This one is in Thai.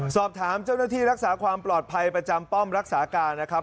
สอบถามเจ้าหน้าที่รักษาความปลอดภัยประจำป้อมรักษาการนะครับ